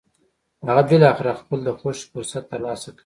هغه بالاخره خپل د خوښې فرصت تر لاسه کړ.